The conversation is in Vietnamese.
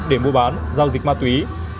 để mua bán giao dịch ma túy